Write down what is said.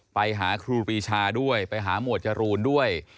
ไปหาครูปีชาด้วยไปหาหมวดจรูนด้วย